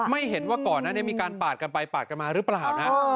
ไม่เห็นว่าก่อนนั้นมีการปาดกันไปปาดกันมาหรือเปล่านะ